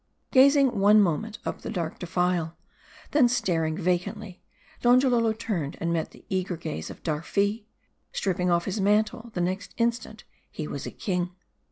Gazing one moment up the dark defile, then staring va cantly, Donjalolo turned and met the eager gaze of Darn. Stripping oif his mantle, the next instant he was a king.